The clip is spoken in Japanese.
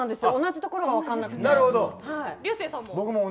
僕も同じところが分からなくて。